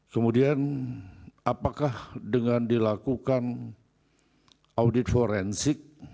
kemudian apakah dengan dilakukan audit forensik